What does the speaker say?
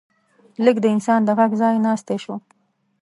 لیک د انسان د غږ ځای ناستی شو.